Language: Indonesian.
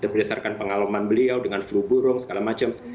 berdasarkan pengalaman beliau dengan flu burung segala macam